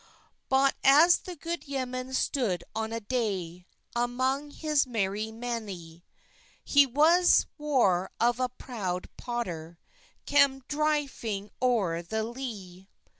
Bot as the god yemen stod on a day, Among hes mery manèy, He was war of a prowd potter, Cam dryfyng owyr the ley.